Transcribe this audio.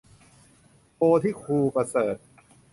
โพธิครูประเสริฐ